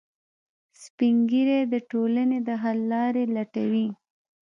سپین ږیری د ټولنې د حل لارې لټوي